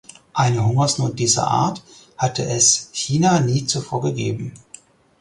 Eine Hungersnot dieser Art hatte es China nie zuvor gegeben.